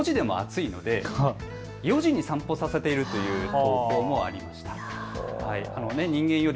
朝なんですけど５時でも暑いので４時に散歩させているという投稿もありました。